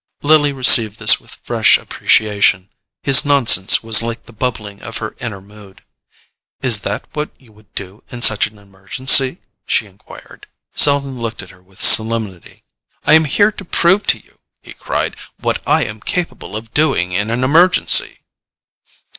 Lily received this with fresh appreciation; his nonsense was like the bubbling of her inner mood. "Is that what you would do in such an emergency?" she enquired. Selden looked at her with solemnity. "I am here to prove to you," he cried, "what I am capable of doing in an emergency!"